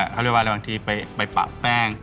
เขาเรียกว่าอะไรบางทีไปปะแป้ง